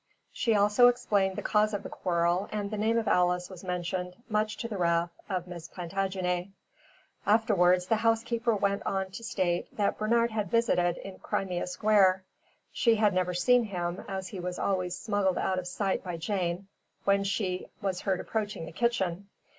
She also explained the cause of the quarrel and the name of Alice was mentioned, much to the wrath of Miss Plantagenet. Afterwards the housekeeper went on to state that Bernard had visited in Crimea Square. She had never seen him, as he was always smuggled out of sight by Jane when she was heard approaching the kitchen.